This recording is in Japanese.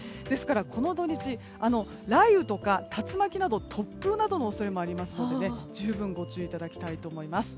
この土日、雷雨とか竜巻など突風などの恐れもありますので十分ご注意いただきたいと思います。